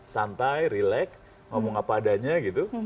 santai relax ngomong apa adanya gitu